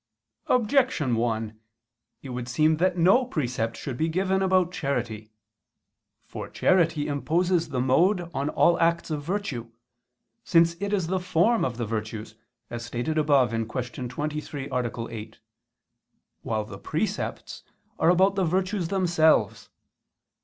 Objection 1: It would seem that no precept should be given about charity. For charity imposes the mode on all acts of virtue, since it is the form of the virtues as stated above (Q. 23, A. 8), while the precepts are about the virtues themselves.